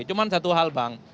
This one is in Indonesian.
cuma satu hal bang